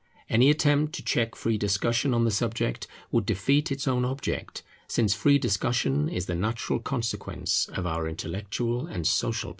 Any attempt to check free discussion on the subject would defeat its own object; since free discussion is the natural consequence of our intellectual and social position.